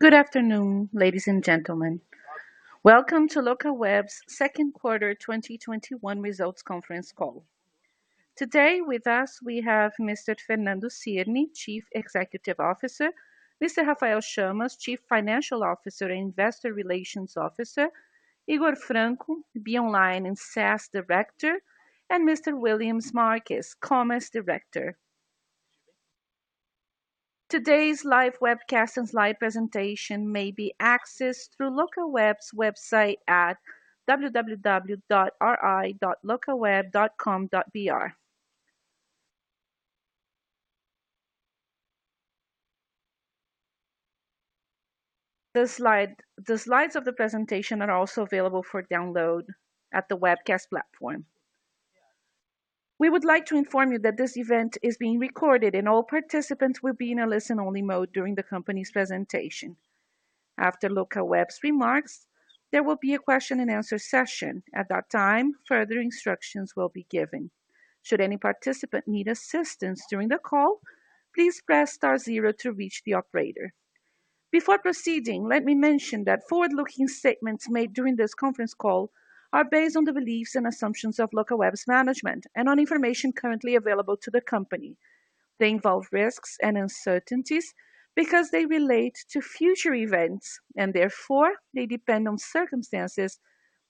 Good afternoon, ladies and gentlemen. Welcome to Locaweb's second quarter 2021 results conference call. Today with us we have Mr. Fernando Cirne, Chief Executive Officer, Mr. Rafael Chamas, Chief Financial Officer and Investor Relations Officer, Higor Franco, Be Online and SaaS Director, and Mr. Willians Marques, Commerce Director. Today's live webcast and slide presentation may be accessed through Locaweb's website at www.ri.locaweb.com.br. The slides of the presentation are also available for download at the webcast platform. We would like to inform you that this event is being recorded and all participants will be in a listen-only mode during the company's presentation. After Locaweb's remarks, there will be a question and answer session. At that time, further instructions will be given. Should any participant need assistance during the call, please press star zero to reach the operator. Before proceeding, let me mention that forward-looking statements made during this conference call are based on the beliefs and assumptions of Locaweb's management and on information currently available to the company. They involve risks and uncertainties because they relate to future events and therefore may depend on circumstances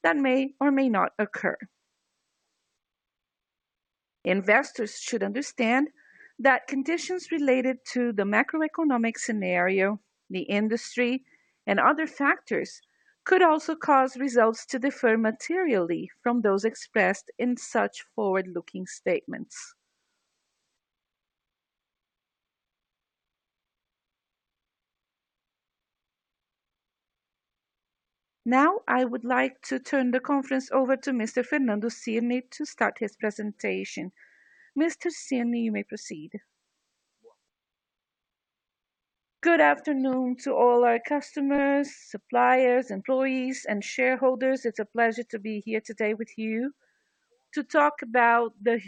that may or may not occur. Investors should understand that conditions related to the macroeconomic scenario, the industry, and other factors could also cause results to differ materially from those expressed in such forward-looking statements. I would like to turn the conference over to Mr. Fernando Cirne to start his presentation. Mr. Cirne, you may proceed. Good afternoon to all our customers, suppliers, employees, and shareholders. It's a pleasure to be here today with you to talk about the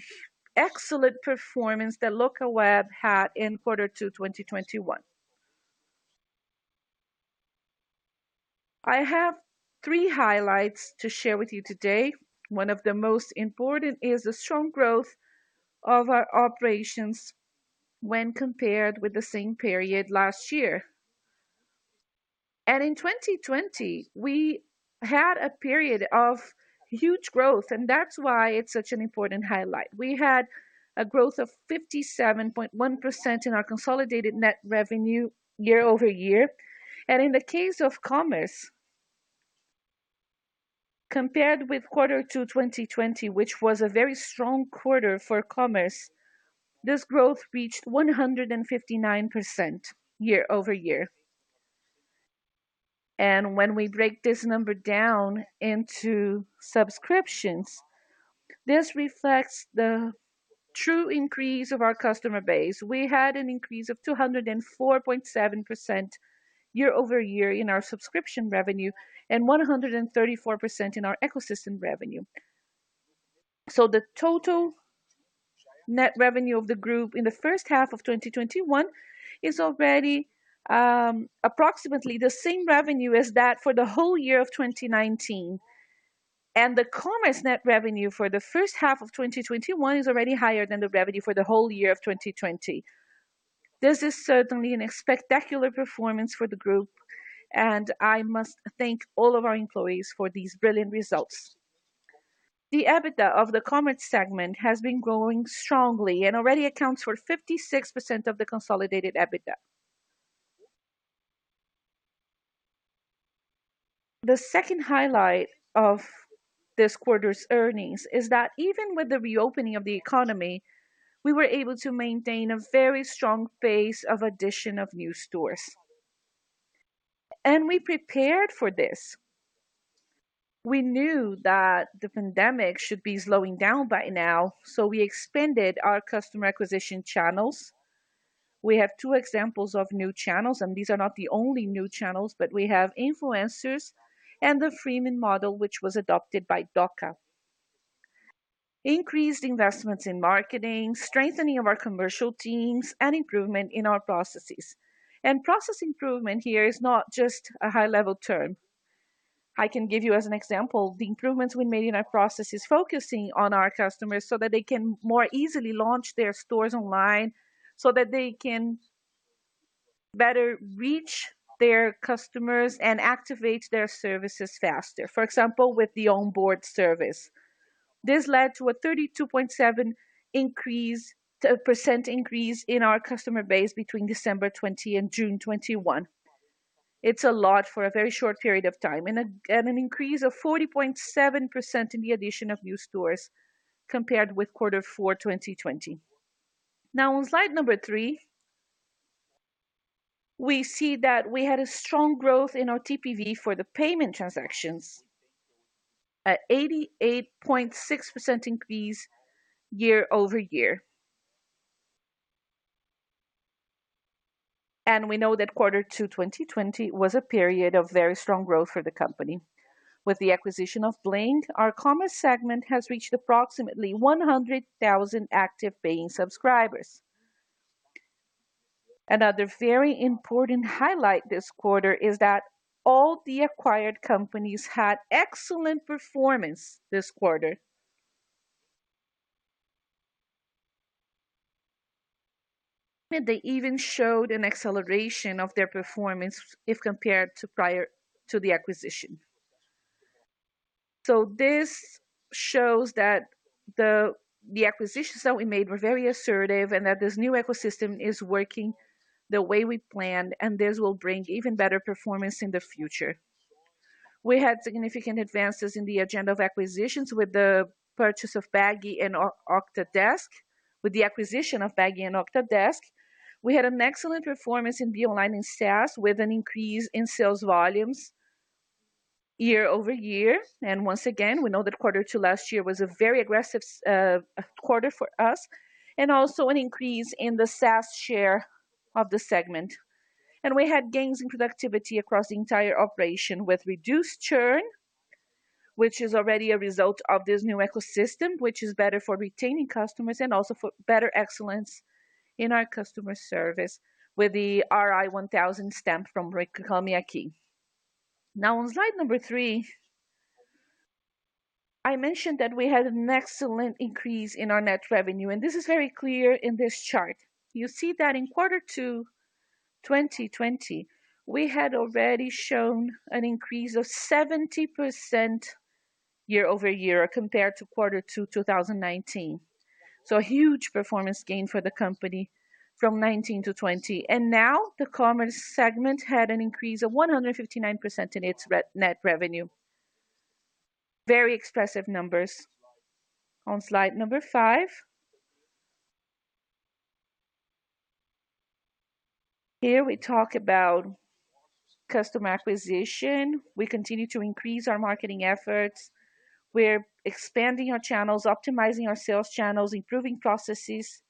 excellent performance that Locaweb had in quarter two 2021. I have three highlights to share with you today. One of the most important is the strong growth of our operations when compared with the same period last year. In 2020, we had a period of huge growth, and that's why it's such an important highlight. We had a growth of 57.1% in our consolidated net revenue year-over-year. In the case of commerce, compared with Q2 2020, which was a very strong quarter for commerce, this growth reached 159% year-over-year. When we break this number down into subscriptions, this reflects the true increase of our customer base. We had an increase of 204.7% year-over-year in our subscription revenue and 134% in our ecosystem revenue. The total net revenue of the group in the first half of 2021 is already approximately the same revenue as that for the whole year of 2019. The commerce net revenue for the first half of 2021 is already higher than the revenue for the whole year of 2020. This is certainly a spectacular performance for the group, and I must thank all of our employees for these brilliant results. The EBITDA of the commerce segment has been growing strongly and already accounts for 56% of the consolidated EBITDA. The second highlight of this quarter's earnings is that even with the reopening of the economy, we were able to maintain a very strong pace of addition of new stores. We prepared for this. We knew that the pandemic should be slowing down by now, so we expanded our customer acquisition channels. We have two examples of new channels, and these are not the only new channels, but we have influencers and the freemium model, which was adopted by Dooca. Increased investments in marketing, strengthening of our commercial teams, and improvement in our processes. Process improvement here is not just a high-level term. I can give you as an example the improvements we made in our processes focusing on our customers so that they can more easily launch their stores online, so that they can better reach their customers and activate their services faster. For example, with the onboard service. This led to a 32.7% increase in our customer base between December 2020 and June 2021. It's a lot for a very short period of time. An increase of 40.7% in the addition of new stores compared with quarter four 2020. On slide number three, we see that we had a strong growth in our TPV for the payment transactions at 88.6% increase year-over-year. We know that quarter two 2020 was a period of very strong growth for the company. With the acquisition of Bling, our commerce segment has reached approximately 100,000 active paying subscribers. Another very important highlight this quarter is that all the acquired companies had excellent performance this quarter. They even showed an acceleration of their performance if compared to prior to the acquisition. This shows that the acquisitions that we made were very assertive and that this new ecosystem is working the way we planned, and this will bring even better performance in the future. We had significant advances in the agenda of acquisitions with the purchase of Bagy and Octadesk. With the acquisition of Bagy and Octadesk, we had an excellent performance in Be Online e SaaS with an increase in sales volumes year-over-year. Once again, we know that quarter two last year was a very aggressive quarter for us, and also an increase in the SaaS share of the segment. We had gains in productivity across the entire operation with reduced churn, which is already a result of this new ecosystem, which is better for retaining customers and also for better excellence in our customer service with the RA1000 stamp from Reclame Aqui. Now on slide number three, I mentioned that we had an excellent increase in our net revenue. This is very clear in this chart. You see that in quarter two 2020, we had already shown an increase of 70% year-over-year compared to quarter two 2019. A huge performance gain for the company from 2019 to 2020. Now the Commerce segment had an increase of 159% in its net revenue. Very expressive numbers. On slide number five. Here we talk about customer acquisition. We continue to increase our marketing efforts. We're expanding our channels, optimizing our sales channels, improving processes.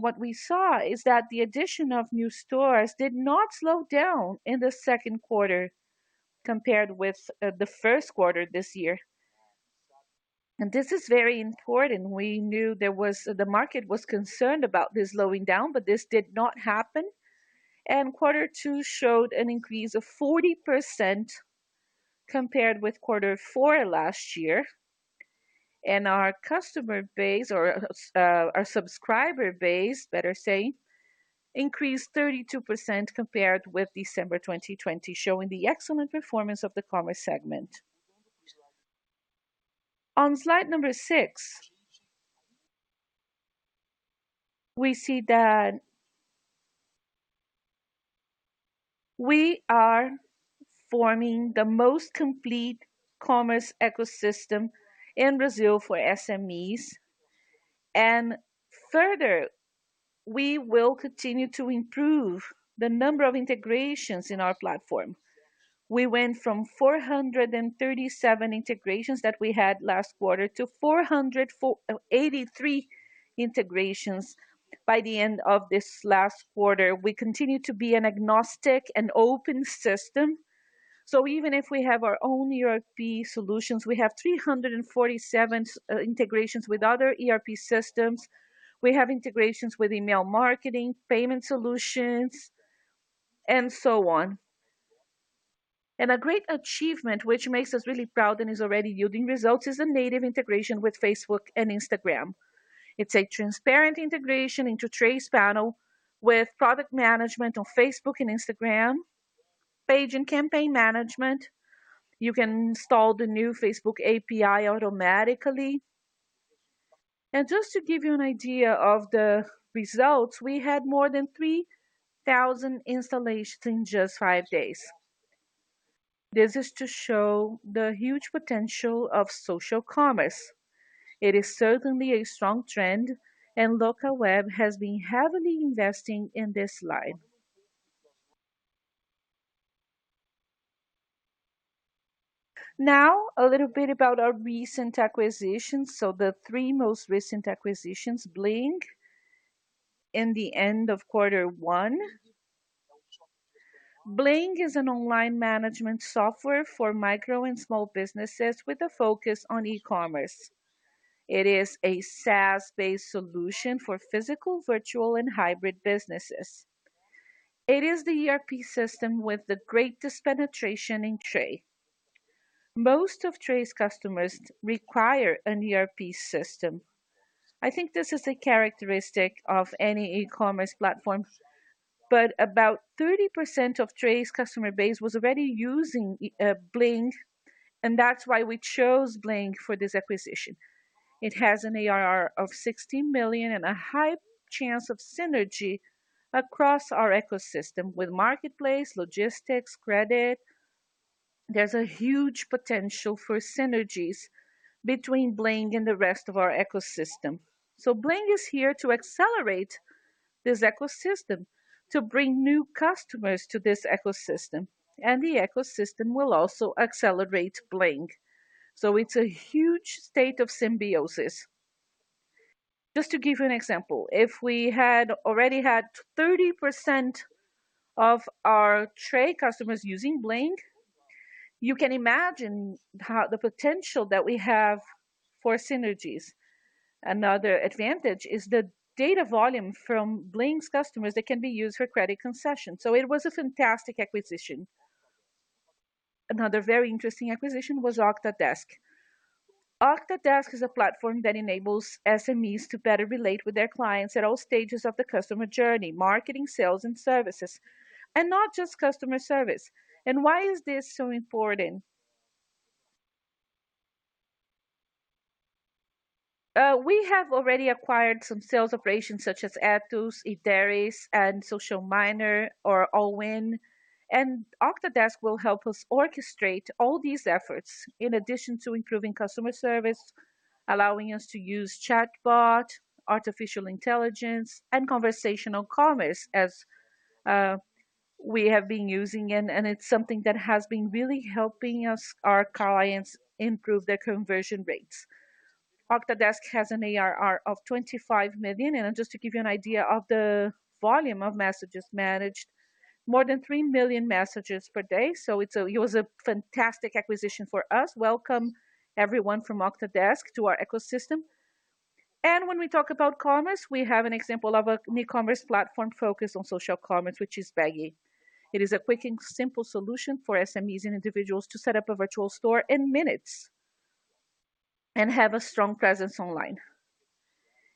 What we saw is that the addition of new stores did not slow down in the second quarter compared with the first quarter this year. This is very important. We knew the market was concerned about this slowing down, but this did not happen. Quarter two showed an increase of 40% compared with quarter four last year. Our customer base, or our subscriber base, better say, increased 32% compared with December 2020, showing the excellent performance of the commerce segment. On slide number six, we see that we are forming the most complete commerce ecosystem in Brazil for SMEs. Further, we will continue to improve the number of integrations in our platform. We went from 437 integrations that we had last quarter to 483 integrations by the end of this last quarter. We continue to be an agnostic and open system. Even if we have our own ERP solutions, we have 347 integrations with other ERP systems. We have integrations with email marketing, payment solutions, and so on. A great achievement which makes us really proud and is already yielding results is the native integration with Facebook and Instagram. It's a transparent integration into Tray's panel with product management on Facebook and Instagram, page and campaign management. You can install the new Facebook API automatically. Just to give you an idea of the results, we had more than 3,000 installations in just five days. This is to show the huge potential of social commerce. It is certainly a strong trend, and Locaweb has been heavily investing in this slide. A little bit about our recent acquisitions. The three most recent acquisitions. Bling in the end of quarter one. Bling is an online management software for micro and small businesses with a focus on e-commerce. It is a SaaS-based solution for physical, virtual, and hybrid businesses. It is the ERP system with the greatest penetration in Tray. Most of Tray's customers require an ERP system. I think this is a characteristic of any e-commerce platform. About 30% of Tray's customer base was already using Bling, and that's why we chose Bling for this acquisition. It has an ARR of 16 million and a high chance of synergy across our ecosystem with marketplace, logistics, credit. There's a huge potential for synergies between Bling and the rest of our ecosystem. Bling is here to accelerate this ecosystem, to bring new customers to this ecosystem, and the ecosystem will also accelerate Bling. It's a huge state of symbiosis. Just to give you an example, if we had already had 30% of our Tray customers using Bling, you can imagine the potential that we have for synergies. Another advantage is the data volume from Bling's customers that can be used for credit concession. It was a fantastic acquisition. Another very interesting acquisition was Octadesk. Octadesk is a platform that enables SMEs to better relate with their clients at all stages of the customer journey, marketing, sales, and services, and not just customer service. Why is this so important? We have already acquired some sales operations such as Etus, Ideris, and Social Miner. Octadesk will help us orchestrate all these efforts in addition to improving customer service, allowing us to use chatbot, artificial intelligence, and conversational commerce as we have been using, and it's something that has been really helping our clients improve their conversion rates. Octadesk has an ARR of 25 million. Just to give you an idea of the volume of messages managed, more than 3 million messages per day. It was a fantastic acquisition for us. Welcome everyone from Octadesk to our ecosystem. When we talk about commerce, we have an example of an e-commerce platform focused on social commerce, which is Bagy. It is a quick and simple solution for SMEs and individuals to set up a virtual store in minutes and have a strong presence online.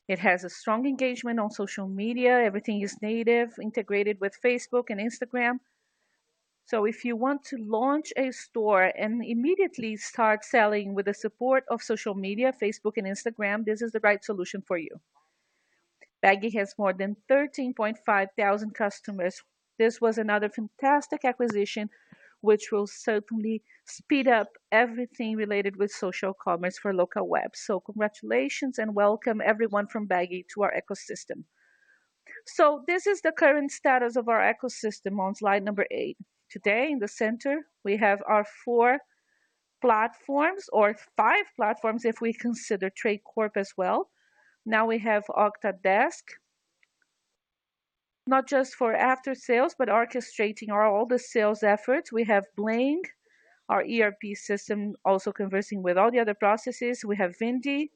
It has a strong engagement on social media. Everything is native, integrated with Facebook and Instagram. If you want to launch a store and immediately start selling with the support of social media, Facebook and Instagram, this is the right solution for you. Bagy has more than 13,500 customers. This was another fantastic acquisition which will certainly speed up everything related with social commerce for Locaweb. Congratulations and welcome everyone from Bagy to our ecosystem. This is the current status of our ecosystem on slide number eight. Today in the center, we have our four platforms or five platforms if we consider Tray Corp as well. Now we have Octadesk, not just for after sales, but orchestrating all the sales efforts. We have Bling, our ERP system, also conversing with all the other processes. We have Vindi.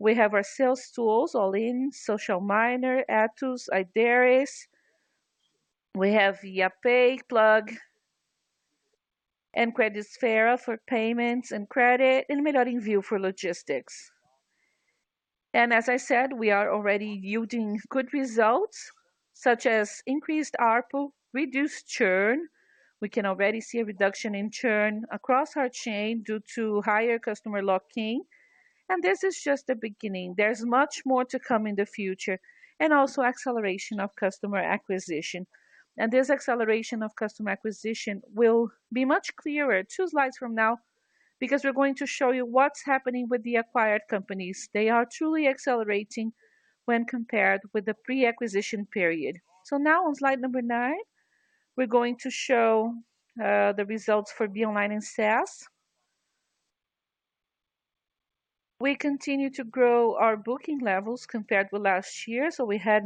We have our sales tools, AlliN, Social Miner, Etus, Ideris. We have Yapay, Plug, and Credisfera for payments and credit, and Melhor Envio for logistics. As I said, we are already yielding good results such as increased ARPU, reduced churn. We can already see a reduction in churn across our chain due to higher customer locking. This is just the beginning. There's much more to come in the future, and also acceleration of customer acquisition. This acceleration of customer acquisition will be much clearer two slides from now because we're going to show you what's happening with the acquired companies. They are truly accelerating when compared with the pre-acquisition period. Now on slide number nine, we're going to show the results for Be Online and SaaS. We continue to grow our booking levels compared with last year. We had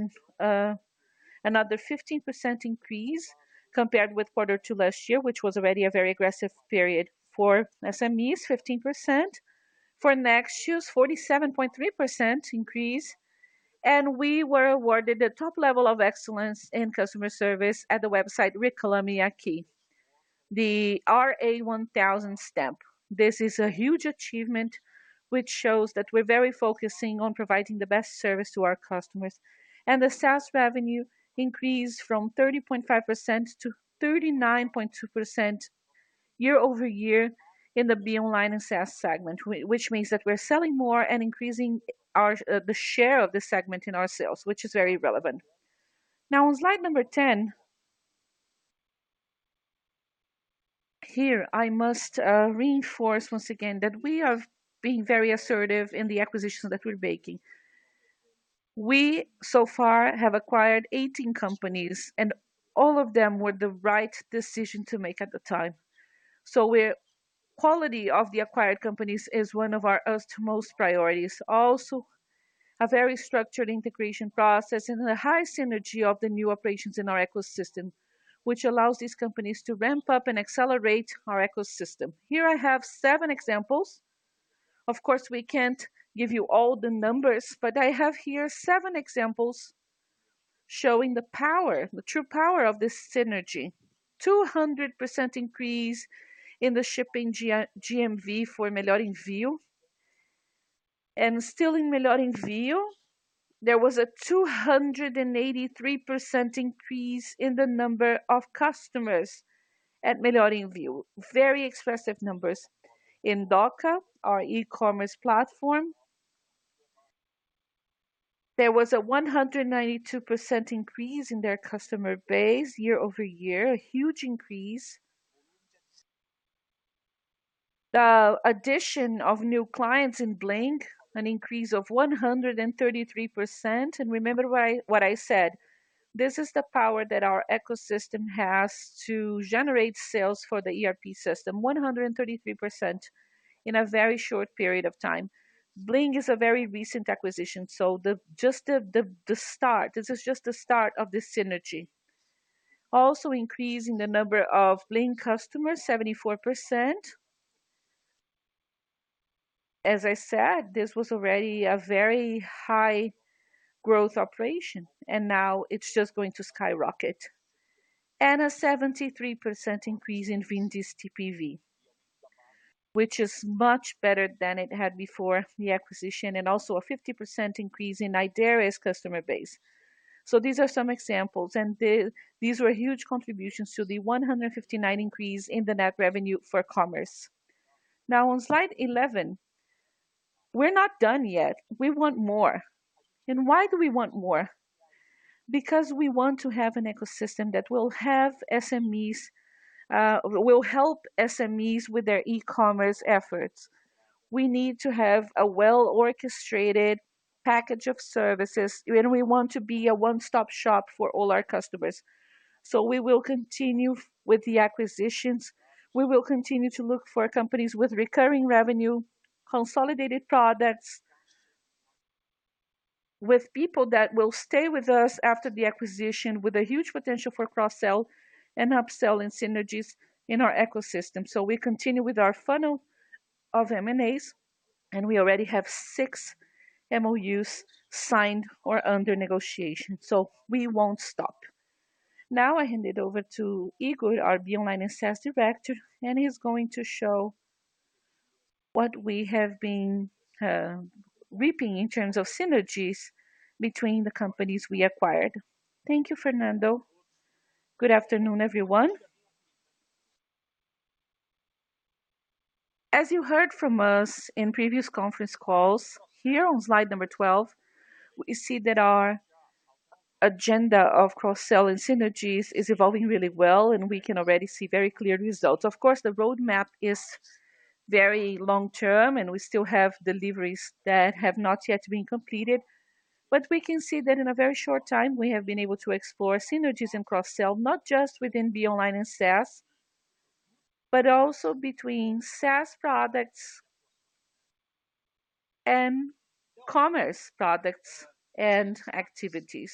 another 15% increase compared with quarter two last year, which was already a very aggressive period for SMEs, 15%. For next year's, 47.3% increase. We were awarded the top level of excellence in customer service at the website Reclame Aqui, the RA1000 stamp. This is a huge achievement which shows that we're very focusing on providing the best service to our customers. The SaaS revenue increased from 30.5% to 39.2% year-over-year in the Be Online and SaaS segment, which means that we're selling more and increasing the share of the segment in our sales, which is very relevant. Now on slide number 10. Here, I must reinforce once again that we have been very assertive in the acquisitions that we're making. We, so far, have acquired 18 companies, and all of them were the right decision to make at the time. Quality of the acquired companies is one of our utmost priorities. Also, a very structured integration process and a high synergy of the new operations in our ecosystem, which allows these companies to ramp up and accelerate our ecosystem. Here I have seven examples. Of course, we can't give you all the numbers, but I have here seven examples showing the true power of this synergy. 200% increase in the shipping GMV for Melhor Envio. Still in Melhor Envio, there was a 283% increase in the number of customers at Melhor Envio. Very expressive numbers. In Dooca, our e-commerce platform, there was a 192% increase in their customer base year-over-year, a huge increase. The addition of new clients in Bling, an increase of 133%. Remember what I said. This is the power that our ecosystem has to generate sales for the ERP system, 133% in a very short period of time. Bling is a very recent acquisition, so this is just the start of the synergy. Increasing the number of Bling customers, 74%. As I said, this was already a very high growth operation, and now it's just going to skyrocket. A 73% increase in Vindi's TPV, which is much better than it had before the acquisition, and also a 50% increase in Ideris' customer base. These are some examples, and these were huge contributions to the 159% increase in the net revenue for commerce. On slide 11, we're not done yet. We want more. Why do we want more? Because we want to have an ecosystem that will help SMEs with their e-commerce efforts. We need to have a well-orchestrated package of services, and we want to be a one-stop shop for all our customers. We will continue with the acquisitions. We will continue to look for companies with recurring revenue, consolidated products, with people that will stay with us after the acquisition, with a huge potential for cross-sell and up-sell and synergies in our ecosystem. We continue with our funnel of M&As, and we already have six MOUs signed or under negotiation, so we won't stop. I hand it over to Higor, our Be Online and SaaS Director, and he's going to show what we have been reaping in terms of synergies between the companies we acquired. Thank you, Fernando. Good afternoon, everyone. As you heard from us in previous conference calls, here on slide number 12, we see that our agenda of cross-sell and synergies is evolving really well, and we can already see very clear results. The roadmap is very long-term, and we still have deliveries that have not yet been completed. We can see that in a very short time, we have been able to explore synergies and cross-sell, not just within Be Online e SaaS, but also between SaaS products and commerce products and activities.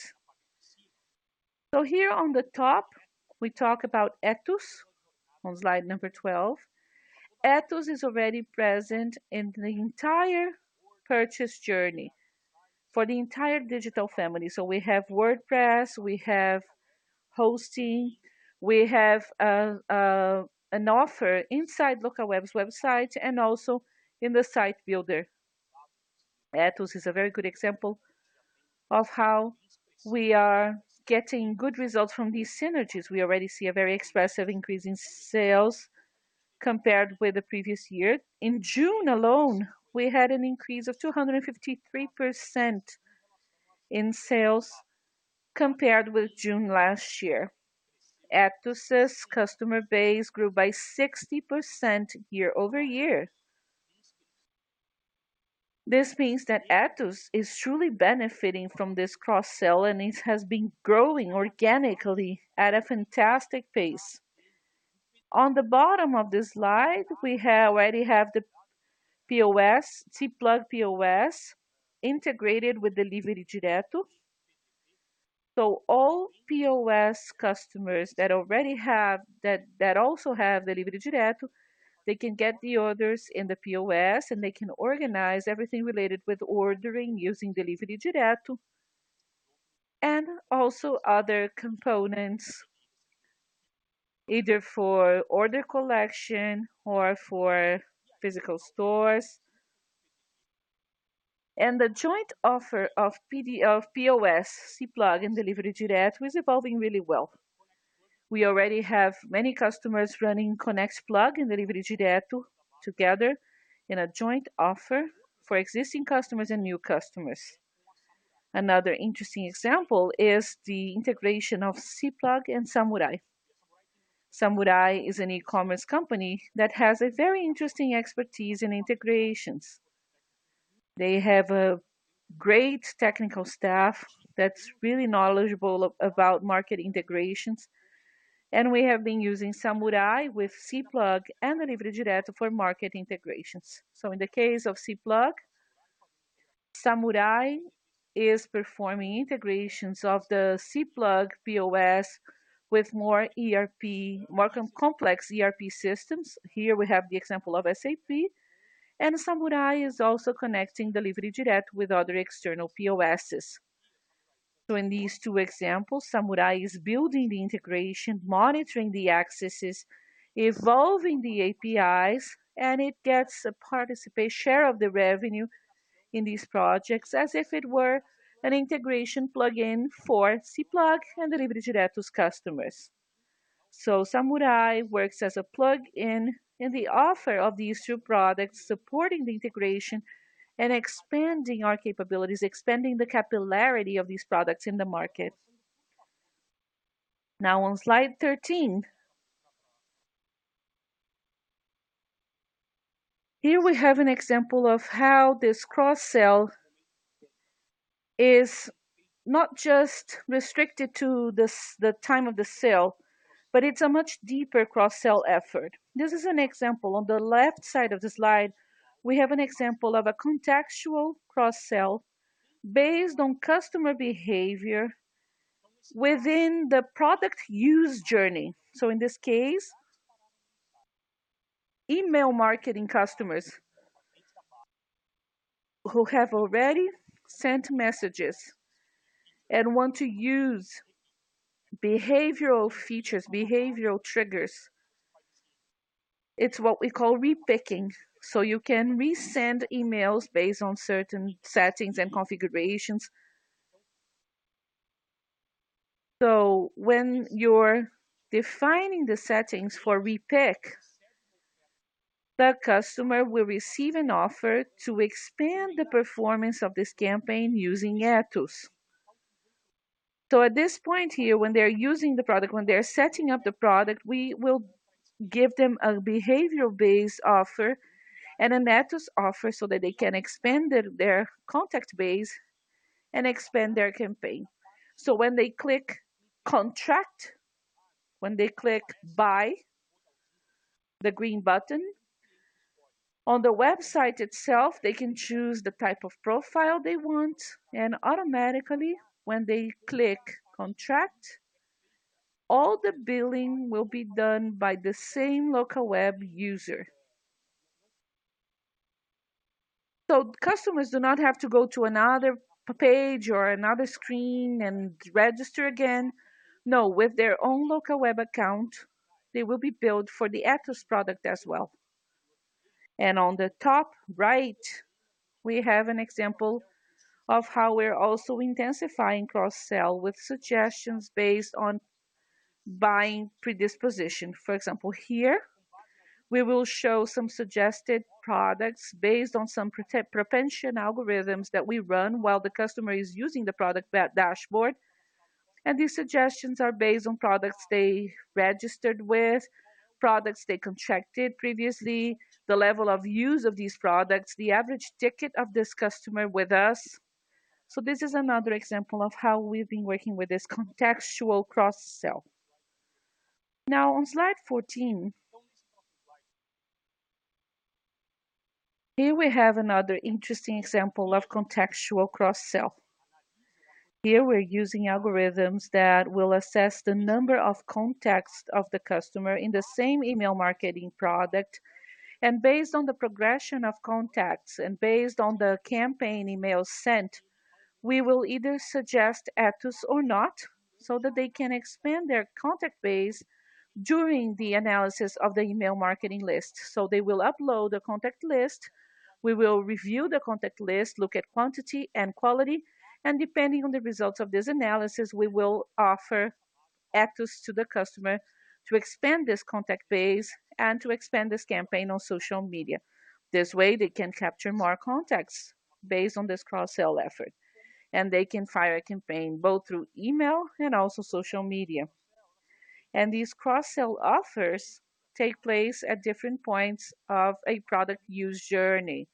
Here on the top, we talk about Etus on slide 12. Etus is already present in the entire purchase journey for the entire digital family. We have WordPress, we have hosting, we have an offer inside Locaweb's website, and also in the site builder. Etus is a very good example of how we are getting good results from these synergies. We already see a very expressive increase in sales compared with the previous year. In June alone, we had an increase of 253% in sales compared with June last year. Etus' customer base grew by 60% year-over-year. This means that Etus is truly benefiting from this cross-sell, and it has been growing organically at a fantastic pace. On the bottom of this slide, we already have the CPlug POS integrated with Delivery Direto. All POS customers that also have Delivery Direto, they can get the orders in the POS, and they can organize everything related with ordering using Delivery Direto, and also other components, either for order collection or for physical stores. The joint offer of POS, CPlug, and Delivery Direto is evolving really well. We already have many customers running ConnectPlug and Delivery Direto together in a joint offer for existing customers and new customers. Another interesting example is the integration of CPlug and Samurai. Samurai is an e-commerce company that has a very interesting expertise in integrations. They have a great technical staff that's really knowledgeable about market integrations, and we have been using Samurai with CPlug and Delivery Direto for market integrations. In the case of CPlug, Samurai is performing integrations of the CPlug POS with more complex ERP systems. Here we have the example of SAP, and Samurai is also connecting Delivery Direto with other external POSs. In these two examples, Samurai is building the integration, monitoring the accesses, evolving the APIs, and it gets a share of the revenue in these projects as if it were an integration plugin for CPlug and Delivery Direto's customers. Samurai works as a plugin in the offer of these two products, supporting the integration and expanding our capabilities, expanding the capillarity of these products in the market. On slide 13, here we have an example of how this cross-sell is not just restricted to the time of the sale, but it's a much deeper cross-sell effort. This is an example. On the left side of the slide, we have an example of a contextual cross-sell based on customer behavior within the product use journey. In this case, email marketing customers who have already sent messages and want to use behavioral features, behavioral triggers. It's what we call repiqueing. You can resend emails based on certain settings and configurations. When you're defining the settings for repique, the customer will receive an offer to expand the performance of this campaign using Etus. At this point here, when they're using the product, when they're setting up the product, we will give them a behavioral-based offer and an Etus offer so that they can expand their contact base and expand their campaign. When they click contract, when they click buy, the green button on the website itself, they can choose the type of profile they want, and automatically, when they click contract, all the billing will be done by the same Locaweb user. Customers do not have to go to another page or another screen and register again. No. With their own Locaweb account, they will be billed for the Etus product as well. On the top right, we have an example of how we're also intensifying cross-sell with suggestions based on buying predisposition. For example, here we will show some suggested products based on some prevention algorithms that we run while the customer is using the product dashboard. These suggestions are based on products they registered with, products they contracted previously, the level of use of these products, the average ticket of this customer with us. This is another example of how we've been working with this contextual cross-sell. On slide 14, here we have another interesting example of contextual cross-sell. Here we're using algorithms that will assess the number of contacts of the customer in the same email marketing product. Based on the progression of contacts and based on the campaign emails sent, we will either suggest Etus or not, so that they can expand their contact base during the analysis of the email marketing list. They will upload the contact list. We will review the contact list, look at quantity and quality, depending on the results of this analysis, we will offer Etus to the customer to expand this contact base and to expand this campaign on social media. This way, they can capture more contacts based on this cross-sell effort, and they can fire a campaign both through email and also social media. These cross-sell offers take place at different points of a product use journey.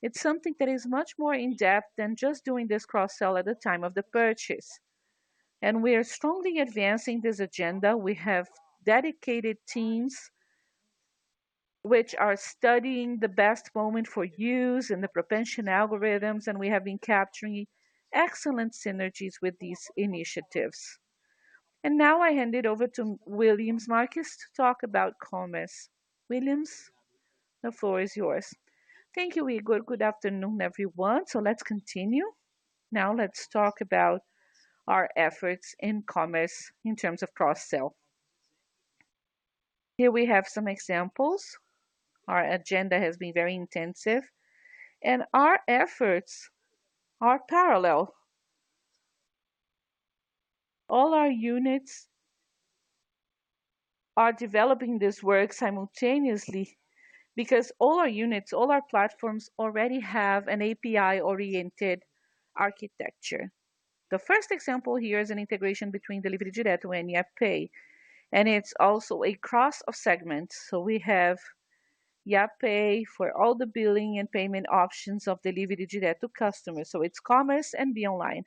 It's something that is much more in-depth than just doing this cross-sell at the time of the purchase. We are strongly advancing this agenda. We have dedicated teams which are studying the best moment for use and the prevention algorithms, and we have been capturing excellent synergies with these initiatives. Now I hand it over to Willians Marques to talk about commerce. Willians, the floor is yours. Thank you, Higor. Good afternoon, everyone. Let's continue. Let's talk about our efforts in commerce in terms of cross-sell. Here we have some examples. Our agenda has been very intensive, and our efforts are parallel. All our units are developing this work simultaneously because all our units, all our platforms already have an API-oriented architecture. The first example here is an integration between the Delivery Direto and Yapay, and it's also a cross of segments. We have Yapay for all the billing and payment options of Delivery Direto customers, it's commerce and Be Online.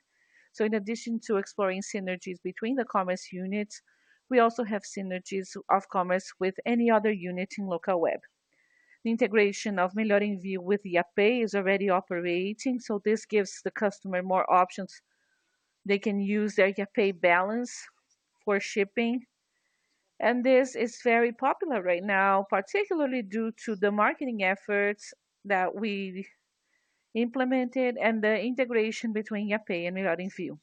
In addition to exploring synergies between the commerce units, we also have synergies of commerce with any other unit in Locaweb. The integration of Melhor Envio with Yapay is already operating, this gives the customer more options. They can use their Yapay balance for shipping. This is very popular right now, particularly due to the marketing efforts that we've implemented and the integration between Yapay and Melhor Envio.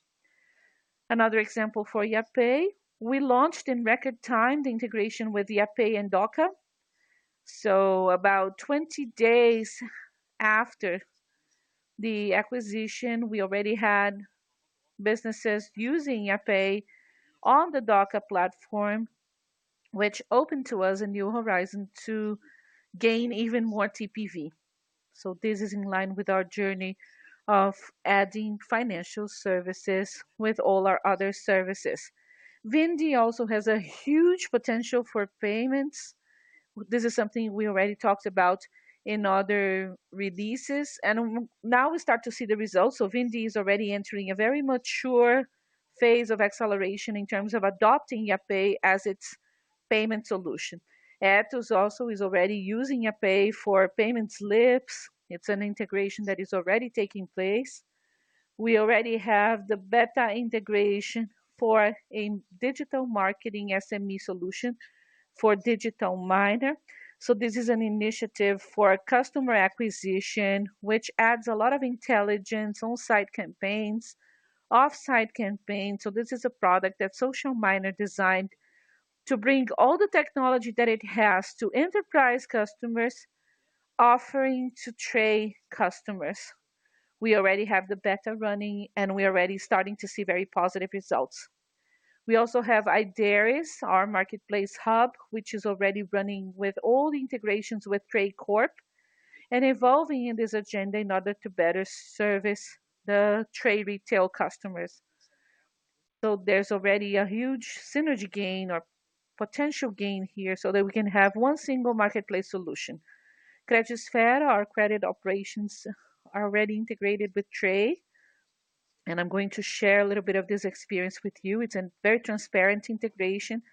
Another example for Yapay, we launched in record time the integration with Yapay and Dooca. About 20 days after the acquisition, we already had businesses using Yapay on the Dooca platform, which opened to us a new horizon to gain even more TPV. This is in line with our journey of adding financial services with all our other services. Vindi also has a huge potential for payments. This is something we already talked about in other releases, and now we start to see the results. Vindi is already entering a very mature phase of acceleration in terms of adopting Yapay as its payment solution. Etus also is already using Yapay for payment slips. It's an integration that is already taking place. We already have the beta integration for a digital marketing SME solution for Digital Miner. This is an initiative for customer acquisition, which adds a lot of intelligence on-site campaigns, off-site campaigns. This is a product that Social Miner designed to bring all the technology that it has to enterprise customers offering to Tray customers. We already have the beta running, and we're already starting to see very positive results. We also have Ideris, our marketplace hub, which is already running with all the integrations with Tray Corp, and evolving in this agenda in order to better service the Tray retail customers. There's already a huge synergy gain or potential gain here so that we can have one single marketplace solution. Credisfera, our credit operations are already integrated with Tray. I'm going to share a little bit of this experience with you. It's a very transparent integration,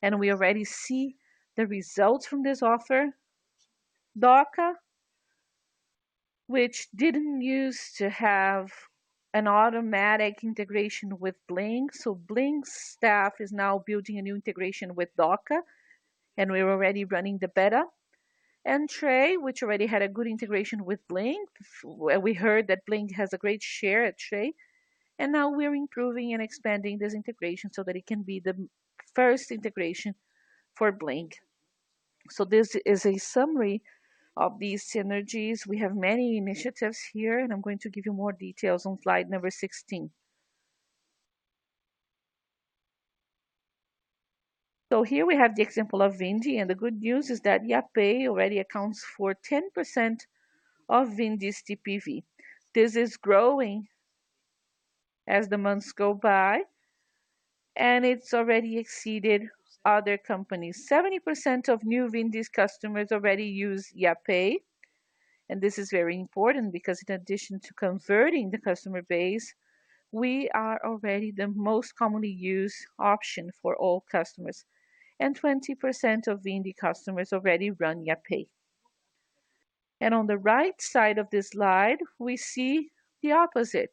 and we already see the results from this offer. Dooca, which didn't use to have an automatic integration with Bling. Bling staff is now building a new integration with Dooca, and we're already running the beta. Tray, which already had a good integration with Bling. We heard that Bling has a great share at Tray, and now we're improving and expanding this integration so that it can be the first integration for Bling. This is a summary of these synergies. We have many initiatives here, and I'm going to give you more details on slide number 16. Here we have the example of Vindi, and the good news is that Yapay already accounts for 10% of Vindi's TPV. This is growing as the months go by, and it's already exceeded other companies. 70% of new Vindi's customers already use Yapay. This is very important because in addition to converting the customer base, we are already the most commonly used option for all customers. 20% of Vindi customers already run Yapay. On the right side of this slide, we see the opposite.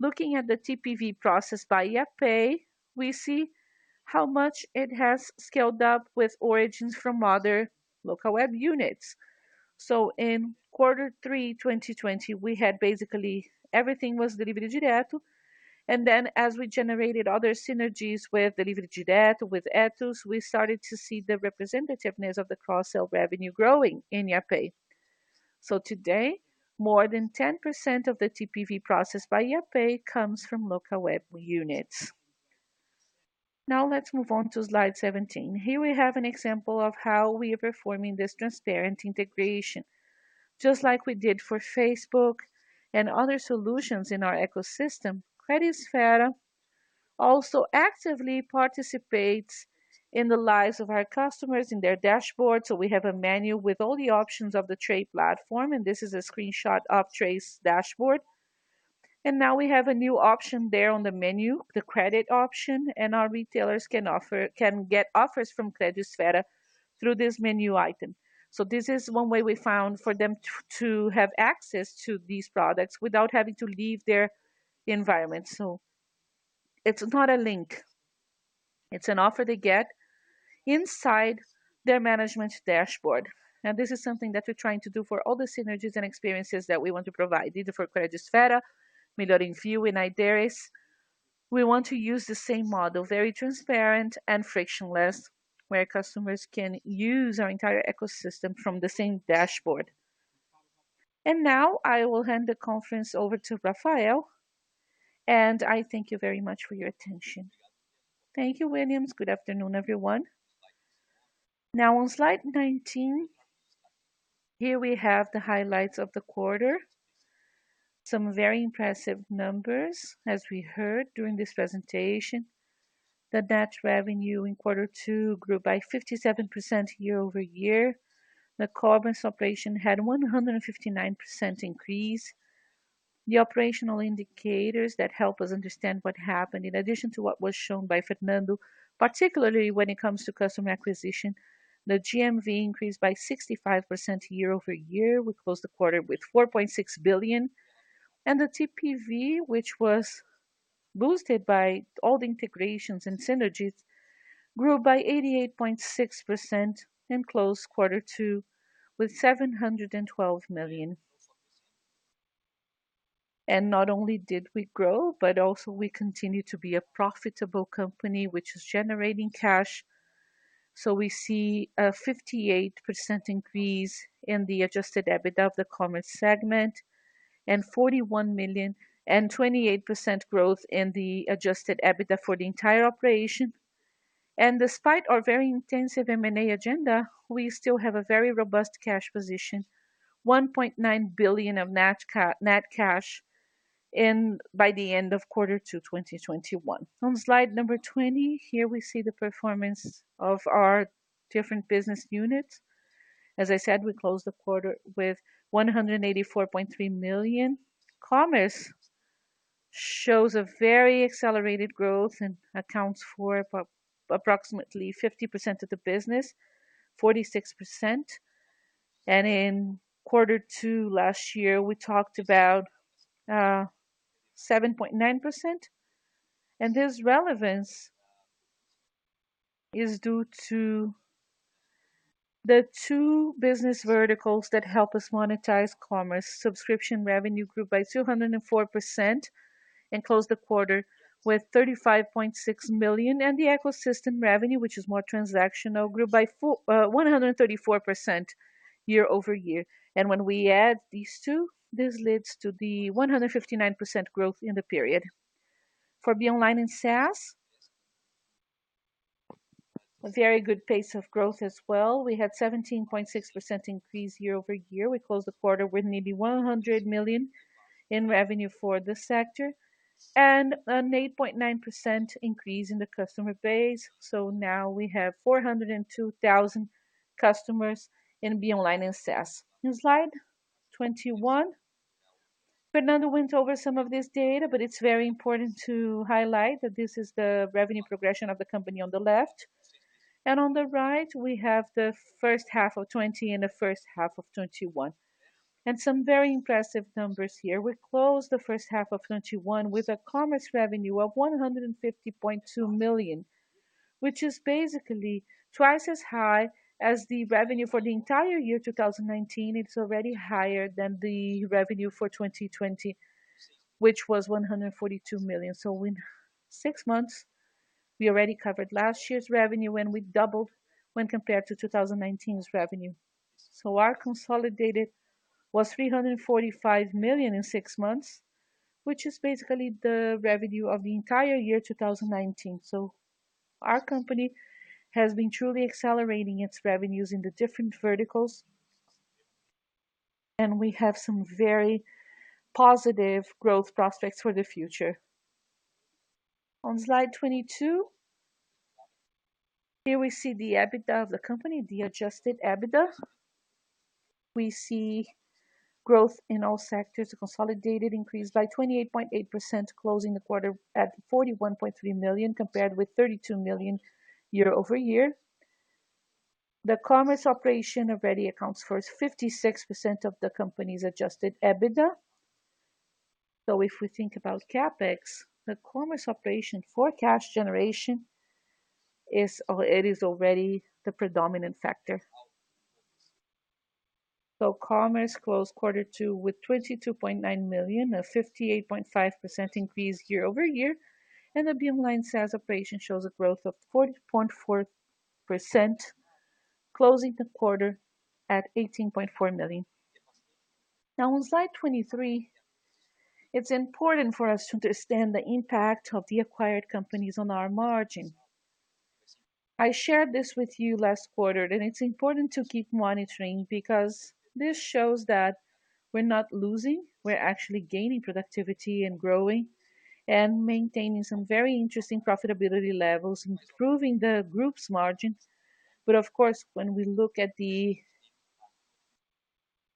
Looking at the TPV processed by Yapay, we see how much it has scaled up with origins from other Locaweb units. In quarter three 2020, we had basically everything was Delivery Direto. As we generated other synergies with Delivery Direto, with Etus, we started to see the representativeness of the cross-sell revenue growing in Yapay. Today, more than 10% of the TPV processed by Yapay comes from Locaweb units. Let's move on to slide 17. Here we have an example of how we are performing this transparent integration. Just like we did for Facebook and other solutions in our ecosystem, Credisfera also actively participates in the lives of our customers in their dashboard. We have a menu with all the options of the Tray platform, and this is a screenshot of Tray's dashboard. Now we have a new option there on the menu, the credit option, and our retailers can get offers from Credisfera through this menu item. This is one way we found for them to have access to these products without having to leave their environment. It's not a link. It's an offer they get inside their management dashboard. Now, this is something that we're trying to do for all the synergies and experiences that we want to provide, either for Credisfera, Melhor Envio, and Ideris. We want to use the same model, very transparent and frictionless, where customers can use our entire ecosystem from the same dashboard. Now I will hand the conference over to Rafael, and I thank you very much for your attention. Thank you, Willians. Good afternoon, everyone. Now on slide 19, here we have the highlights of the quarter. Some very impressive numbers, as we heard during this presentation. The net revenue in quarter two grew by 57% year-over-year. The commerce operation had 159% increase. The operational indicators that help us understand what happened in addition to what was shown by Fernando, particularly when it comes to customer acquisition. The GMV increased by 65% year-over-year. We closed the quarter with 4.6 billion. The TPV, which was boosted by all the integrations and synergies, grew by 88.6% and closed Q2 with BRL 712 million. Not only did we grow, but also we continue to be a profitable company, which is generating cash. We see a 58% increase in the adjusted EBITDA of the commerce segment and 41 million and 28% growth in the adjusted EBITDA for the entire operation. Despite our very intensive M&A agenda, we still have a very robust cash position, 1.9 billion of net cash by the end of quarter two 2021. On slide number 20, here we see the performance of our different business units. As I said, we closed the quarter with 184.3 million. Commerce shows a very accelerated growth and accounts for approximately 50% of the business, 46%. In quarter two last year, we talked about 7.9%. This relevance is due to the two business verticals that help us monetize commerce. Subscription revenue grew by 204% and closed the quarter with 35.6 million. The ecosystem revenue, which is more transactional, grew by 134% year-over-year. When we add these two, this leads to the 159% growth in the period. For Be Online and SaaS, a very good pace of growth as well. We had 17.6% increase year-over-year. We closed the quarter with nearly 100 million in revenue for this sector and an 8.9% increase in the customer base. Now we have 402,000 customers in Be Online and SaaS. New slide, 21. Fernando went over some of this data, but it's very important to highlight that this is the revenue progression of the company on the left. On the right, we have the first half of 2020 and the first half of 2021. Some very impressive numbers here. We closed the first half of 2021 with a commerce revenue of 150.2 million, which is basically twice as high as the revenue for the entire year 2019. It's already higher than the revenue for 2020, which was 142 million. In six months, we already covered last year's revenue, and we doubled when compared to 2019's revenue. Our consolidated was 345 million in six months, which is basically the revenue of the entire year 2019. Our company has been truly accelerating its revenues in the different verticals, and we have some very positive growth prospects for the future. On slide 22, here we see the EBITDA of the company, the adjusted EBITDA. We see growth in all sectors. The consolidated increased by 28.8%, closing the quarter at 41.3 million compared with 32 million year-over-year. The commerce operation already accounts for 56% of the company's adjusted EBITDA. If we think about CapEx, the commerce operation for cash generation, it is already the predominant factor. Commerce closed quarter two with 22.9 million, a 58.5% increase year-over-year. The Be Online e SaaS operation shows a growth of 40.4%, closing the quarter at 18.4 million. On slide 23, it's important for us to understand the impact of the acquired companies on our margin. I shared this with you last quarter, and it's important to keep monitoring because this shows that we're not losing. We're actually gaining productivity and growing and maintaining some very interesting profitability levels, improving the group's margins. Of course, when we look at the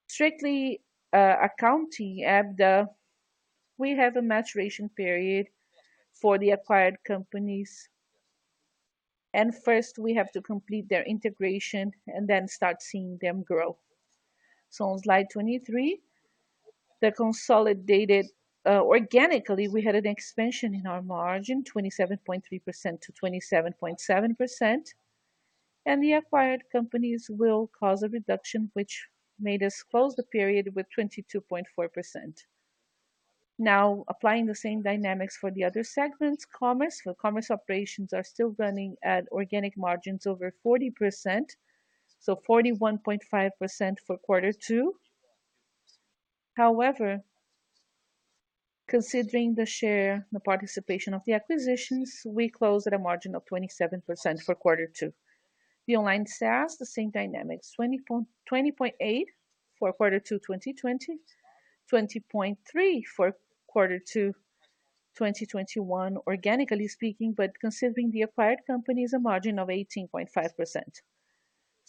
strictly accounting EBITDA, we have a maturation period for the acquired companies. First we have to complete their integration and then start seeing them grow. On slide 23, the consolidated, organically, we had an expansion in our margin, 27.3%-27.7%. The acquired companies will cause a reduction which made us close the period with 22.4%. Applying the same dynamics for the other segments, commerce. The commerce operations are still running at organic margins over 40%, so 41.5% for quarter two. However, considering the share and the participation of the acquisitions, we closed at a margin of 27% for quarter two. Be Online e SaaS, the same dynamics. 20.8% for quarter two 2020, 20.3% for quarter two 2021, organically speaking, but considering the acquired companies, a margin of 18.5%.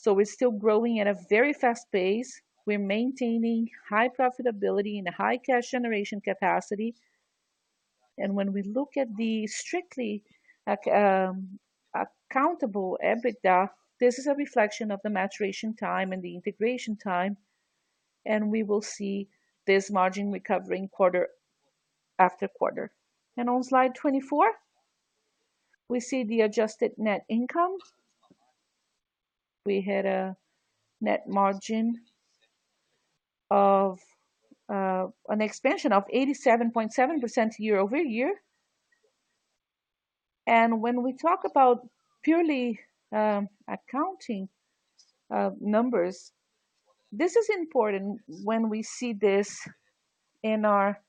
We're still growing at a very fast pace. We're maintaining high profitability and a high cash generation capacity. When we look at the strictly accountable EBITDA, this is a reflection of the maturation time and the integration time, and we will see this margin recovering quarter-after-quarter. On slide 24, we see the adjusted net income. We had a net margin of an expansion of 87.7% year-over-year. When we talk about purely accounting numbers. This is important when we see this in our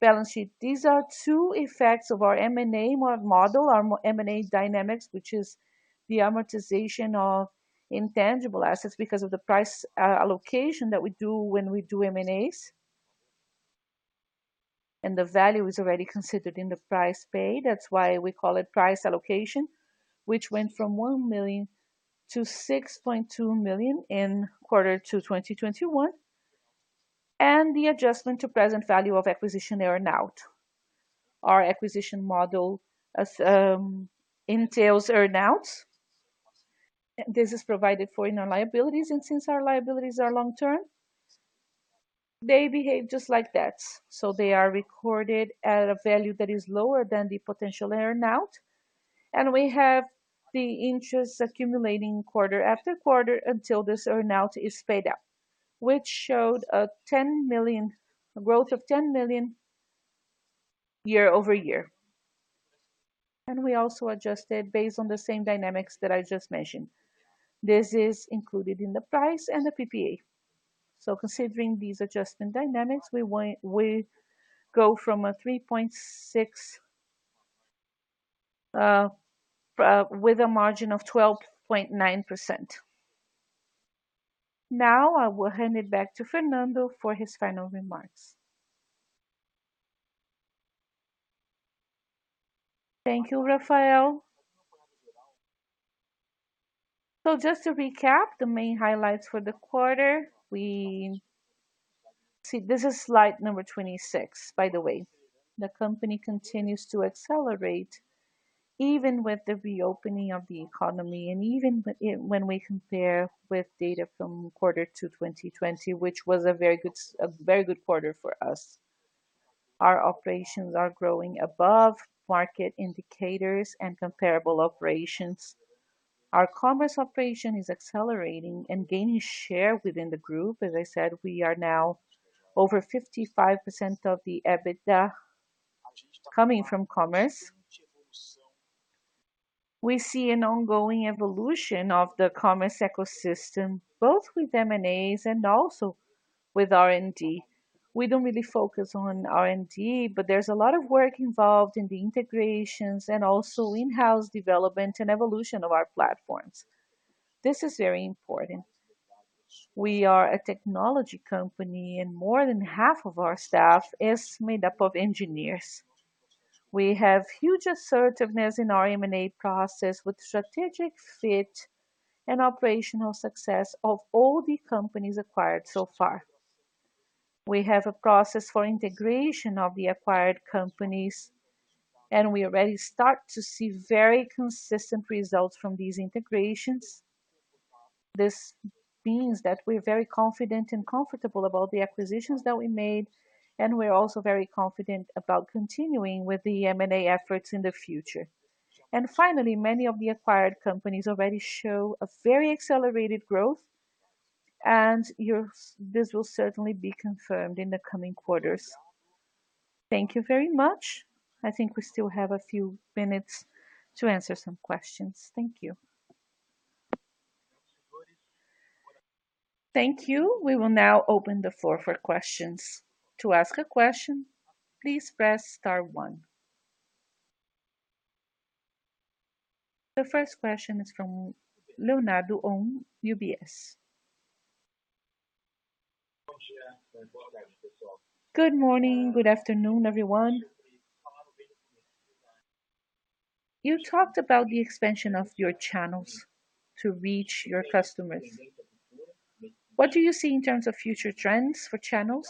balance sheet. These are two effects of our M&A model, our M&A dynamics, which is the amortization of intangible assets because of the price allocation that we do when we do M&As. The value is already considered in the price paid, that's why we call it price allocation, which went from 1 million to 6.2 million in Q2 2021. The adjustment to present value of acquisition earn-out. Our acquisition model entails earn-outs. This is provided for in our liabilities, and since our liabilities are long-term, they behave just like debts. They are recorded at a value that is lower than the potential earn-out. We have the interest accumulating quarter-after-quarter until this earn-out is paid up, which showed a growth of 10 million year-over-year. We also adjusted based on the same dynamics that I just mentioned. This is included in the price and the PPA. Considering these adjustment dynamics, we go from a 3.6, with a margin of 12.9%. Now, I will hand it back to Fernando for his final remarks. Thank you, Rafael. Just to recap the main highlights for the quarter. See, this is slide number 26, by the way. The company continues to accelerate even with the reopening of the economy and even when we compare with data from quarter two 2020, which was a very good quarter for us. Our operations are growing above market indicators and comparable operations. Our commerce operation is accelerating and gaining share within the group. As I said, we are now over 55% of the EBITDA coming from commerce. We see an ongoing evolution of the commerce ecosystem, both with M&As and also with R&D. We don't really focus on R&D, there's a lot of work involved in the integrations and also in-house development and evolution of our platforms. This is very important. We are a technology company and more than half of our staff is made up of engineers. We have huge assertiveness in our M&A process with strategic fit and operational success of all the companies acquired so far. We have a process for integration of the acquired companies, and we already start to see very consistent results from these integrations. This means that we're very confident and comfortable about the acquisitions that we made, and we are also very confident about continuing with the M&A efforts in the future. Finally, many of the acquired companies already show a very accelerated growth, and this will certainly be confirmed in the coming quarters. Thank you very much. I think we still have a few minutes to answer some questions. Thank you. Thank you. We will now open the floor for questions. To ask a question, please press star one. The first question is from Leonardo Olmos, UBS. Good morning. Good afternoon, everyone. You talked about the expansion of your channels to reach your customers. What do you see in terms of future trends for channels?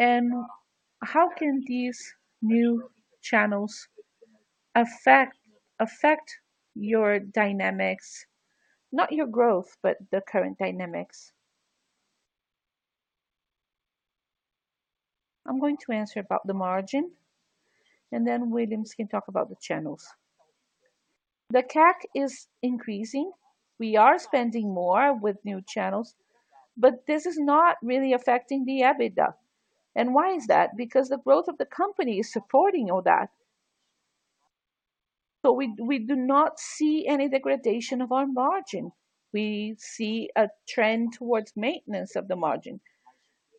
How can these new channels affect your dynamics? Not your growth, but the current dynamics. I'm going to answer about the margin, then Willians can talk about the channels. The CAC is increasing. We are spending more with new channels, this is not really affecting the EBITDA. Why is that? Because the growth of the company is supporting all that. We do not see any degradation of our margin. We see a trend towards maintenance of the margin.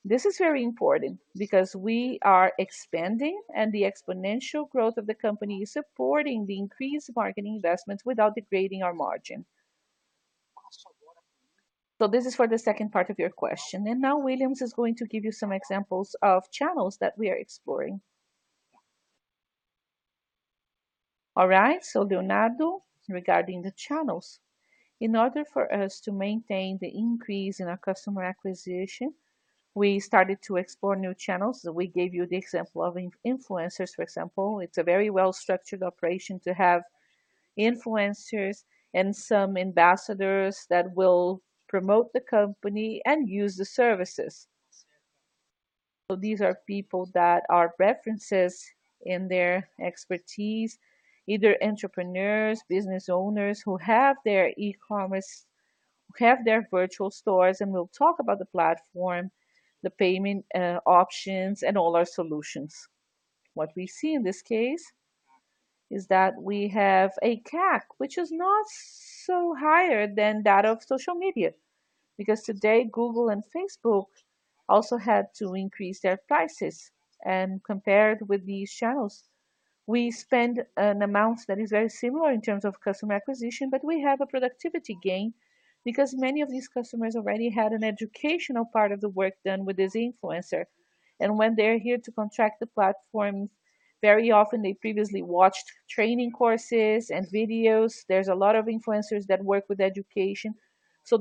This is very important because we are expanding and the exponential growth of the company is supporting the increased marketing investments without degrading our margin. This is for the second part of your question. Now Willians is going to give you some examples of channels that we are exploring. All right. Leonardo, regarding the channels. In order for us to maintain the increase in our customer acquisition, we started to explore new channels. We gave you the example of influencers. It's a very well-structured operation to have influencers and some ambassadors that will promote the company and use the services. These are people that are references in their expertise, either entrepreneurs, business owners who have their virtual stores, and we'll talk about the platform, the payment options, and all our solutions. What we see in this case is that we have a CAC, which is not so higher than that of social media, because today Google and Facebook also had to increase their prices. Compared with these channels, we spend an amount that is very similar in terms of customer acquisition, but we have a productivity gain because many of these customers already had an educational part of the work done with this influencer. When they're here to contract the platform, very often they previously watched training courses and videos. There's a lot of influencers that work with education.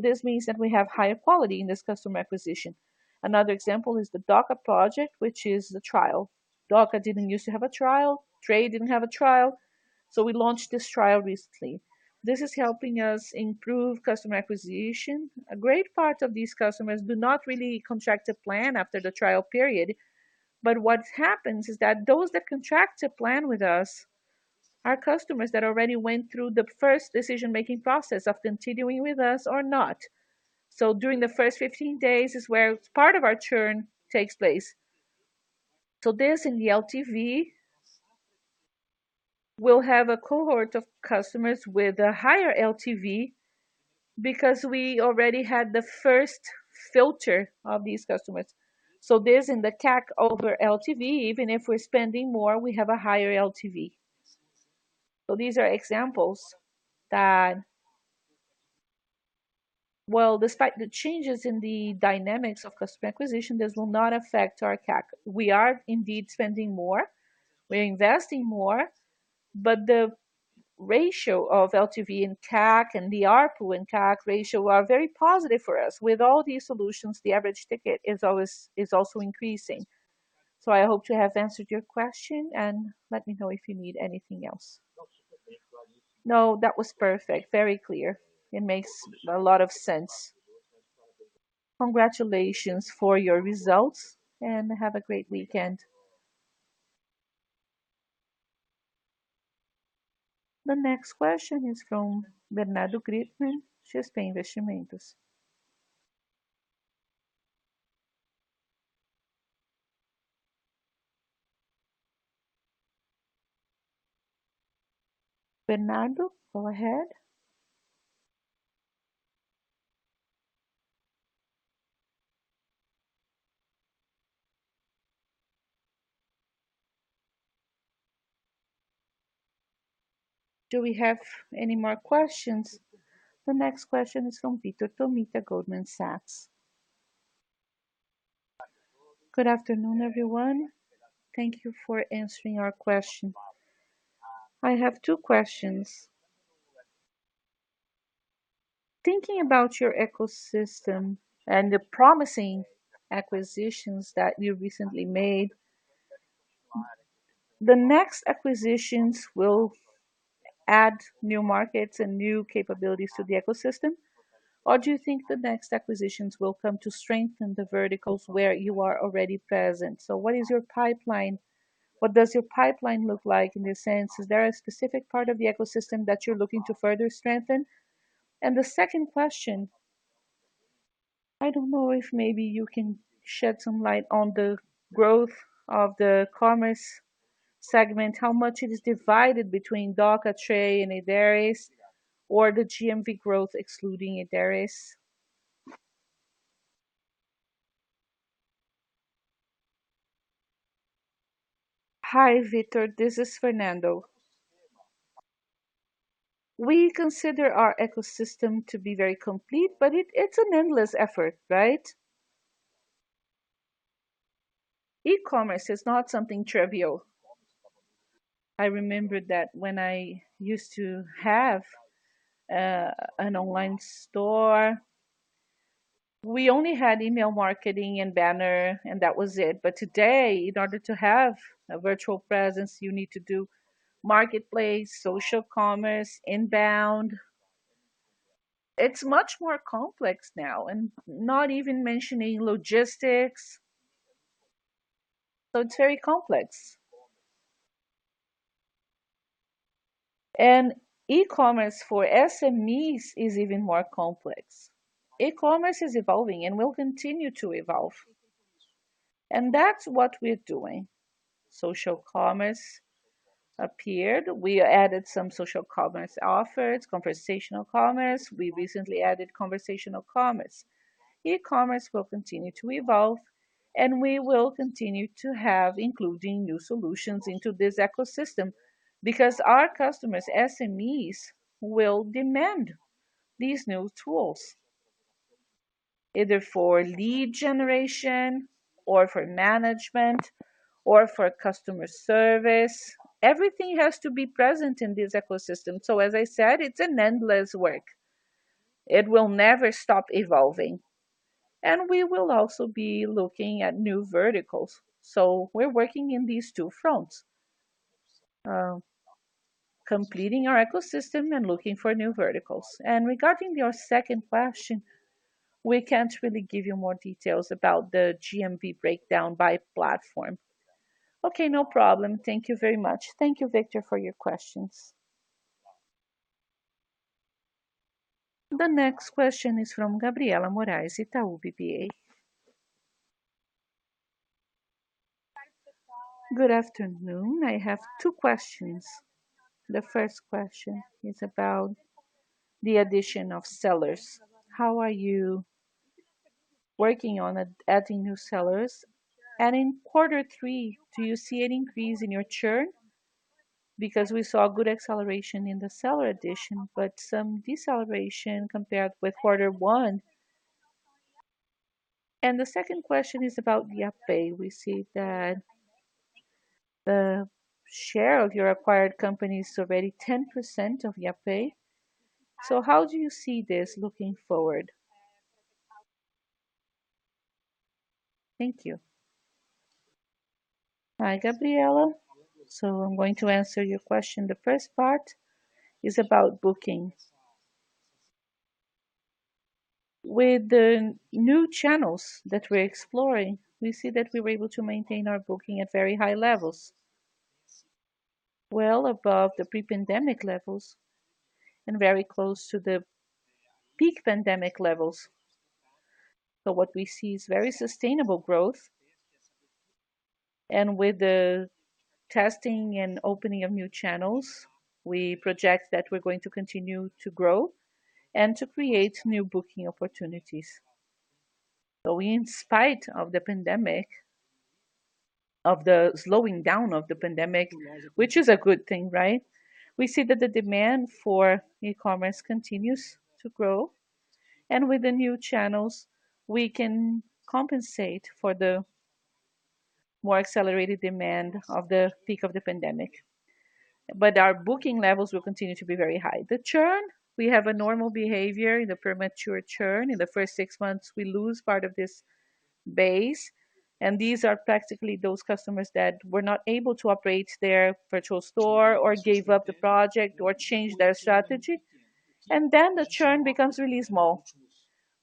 This means that we have higher quality in this customer acquisition. Another example is the Dooca project, which is the trial. Dooca didn't used to have a trial. Tray didn't have a trial. We launched this trial recently. This is helping us improve customer acquisition. A great part of these customers do not really contract a plan after the trial period, what happens is that those that contract a plan with us are customers that already went through the first decision-making process of continuing with us or not. During the first 15 days is where part of our churn takes place. This in the LTV, we'll have a cohort of customers with a higher LTV because we already had the first filter of these customers. This in the CAC over LTV, even if we're spending more, we have a higher LTV. These are examples that, well, despite the changes in the dynamics of customer acquisition, this will not affect our CAC. We are indeed spending more. We're investing more. The ratio of LTV and CAC and the ARPU and CAC ratio are very positive for us. With all these solutions, the average ticket is also increasing. I hope to have answered your question, and let me know if you need anything else. No, that was perfect. Very clear. It makes a lot of sense. Congratulations for your results, and have a great weekend. The next question is from Bernardo Guttmann, XP Investimentos. Bernardo, go ahead. Do we have any more questions? The next question is from Vitor Tomita, Goldman Sachs. Good afternoon, everyone. Thank you for answering our question. I have two questions. Thinking about your ecosystem and the promising acquisitions that you recently made, the next acquisitions will add new markets and new capabilities to the ecosystem? Or do you think the next acquisitions will come to strengthen the verticals where you are already present? What does your pipeline look like in this sense? Is there a specific part of the ecosystem that you're looking to further strengthen? The second question, I don't know if maybe you can shed some light on the growth of the commerce segment, how much it is divided between Dooca, Tray, and Ideris, or the GMV growth excluding Ideris. Hi, Vitor. This is Fernando. We consider our ecosystem to be very complete, but it's an endless effort, right? E-commerce is not something trivial. I remember that when I used to have an online store, we only had email marketing and banner and that was it. Today, in order to have a virtual presence, you need to do marketplace, social commerce, inbound. It's much more complex now and not even mentioning logistics. It's very complex. E-commerce for SMEs is even more complex. E-commerce is evolving and will continue to evolve. That's what we're doing. Social commerce appeared. We added some social commerce offers. Conversational commerce. We recently added conversational commerce. E-commerce will continue to evolve, and we will continue to have including new solutions into this ecosystem because our customers, SMEs, will demand these new tools, either for lead generation or for management or for customer service. Everything has to be present in this ecosystem. As I said, it's an endless work. It will never stop evolving. We will also be looking at new verticals. We're working in these two fronts. Completing our ecosystem and looking for new verticals. Regarding your second question. We can't really give you more details about the GMV breakdown by platform. Okay, no problem. Thank you very much. Thank you, Vitor, for your questions. The next question is from Gabriela Moraes, Itaú BBA. Good afternoon. I have two questions. The first question is about the addition of sellers. How are you working on adding new sellers? In quarter three, do you see an increase in your churn? We saw good acceleration in the seller addition, but some deceleration compared with quarter one. The second question is about Yapay. We see that the share of your acquired company is already 10% of Yapay. How do you see this looking forward? Thank you. Hi, Gabriela. I'm going to answer your question. The first part is about booking. With the new channels that we're exploring, we see that we were able to maintain our booking at very high levels, well above the pre-pandemic levels and very close to the peak pandemic levels. What we see is very sustainable growth. With the testing and opening of new channels, we project that we're going to continue to grow and to create new booking opportunities. In spite of the slowing down of the pandemic, which is a good thing, right? We see that the demand for e-commerce continues to grow. With the new channels, we can compensate for the more accelerated demand of the peak of the pandemic. Our booking levels will continue to be very high. The churn, we have a normal behavior in the premature churn. In the first six months, we lose part of this base, and these are practically those customers that were not able to operate their virtual store or gave up the project or changed their strategy. Then the churn becomes really small.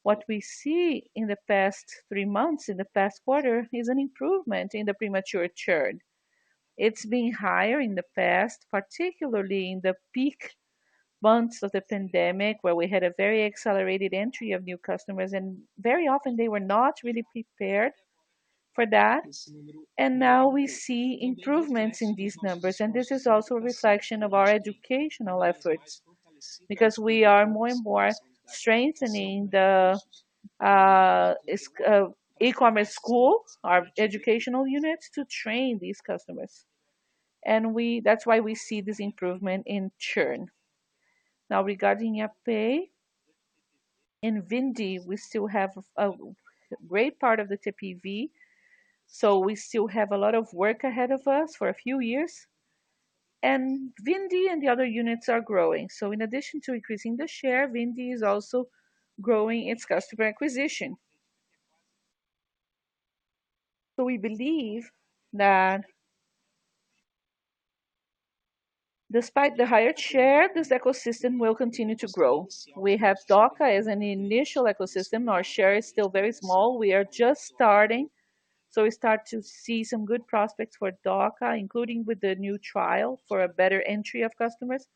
What we see in the past three months, in the past quarter, is an improvement in the premature churn. It's been higher in the past, particularly in the peak months of the pandemic, where we had a very accelerated entry of new customers, and very often they were not really prepared for that. Now we see improvements in these numbers, and this is also a reflection of our educational efforts. Because we are more and more strengthening the e-commerce school, our educational units, to train these customers. That's why we see this improvement in churn. Now, regarding Yapay, in Vindi, we still have a great part of the TPV, so we still have a lot of work ahead of us for a few years. Vindi and the other units are growing. In addition to increasing the share, Vindi is also growing its customer acquisition. We believe that despite the higher share, this ecosystem will continue to grow. We have Dooca as an initial ecosystem. Our share is still very small. We are just starting. We start to see some good prospects for Dooca, including with the new trial for a better entry of customers.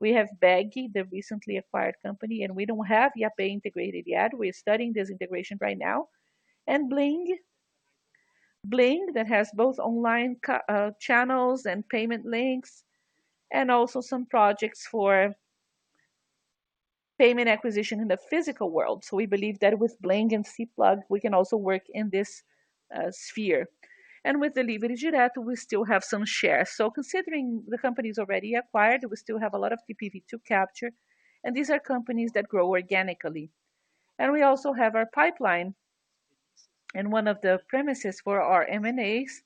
We have Bagy, the recently acquired company, and we don't have Yapay integrated yet. We're studying this integration right now. Bling. Bling, that has both online channels and payment links, and also some projects for payment acquisition in the physical world. We believe that with Bling and CPlug, we can also work in this sphere. With the Delivery Direto, we still have some share. Considering the companies already acquired, we still have a lot of TPV to capture, and these are companies that grow organically. We also have our pipeline. One of the premises for our M&As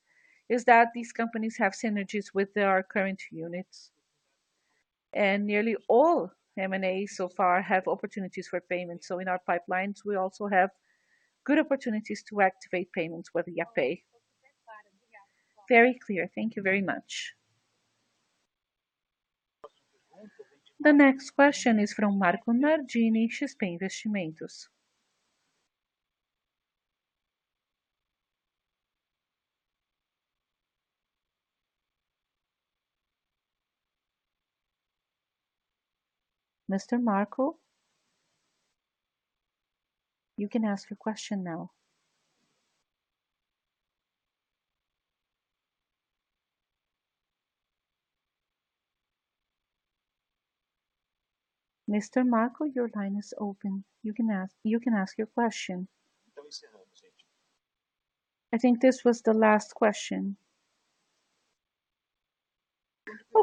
is that these companies have synergies with our current units. Nearly all M&As so far have opportunities for payment. In our pipelines, we also have good opportunities to activate payments with Yapay. Very clear. Thank you very much. The next question is from Marco Nardini, XP Investimentos. Mr. Marco, you can ask your question now. Mr. Marco, your line is open. You can ask your question. I think this was the last question.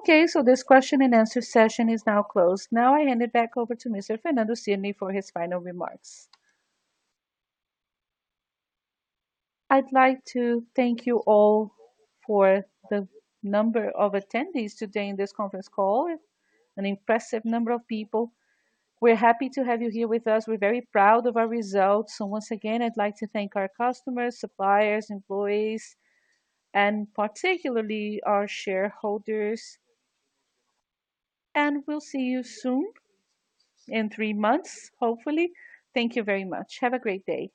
This question and answer session is now closed. I hand it back over to Mr. Fernando Cirne for his final remarks. I'd like to thank you all for the number of attendees today in this conference call. An impressive number of people. We're happy to have you here with us. We're very proud of our results. Once again, I'd like to thank our customers, suppliers, employees, and particularly our shareholders. We'll see you soon in three months, hopefully. Thank you very much. Have a great day.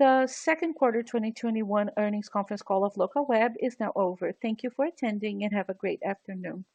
The second quarter 2021 earnings conference call of Locaweb is now over. Thank you for attending, and have a great afternoon.